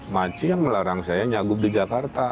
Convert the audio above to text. makci yang melarang saya nyagub di jakarta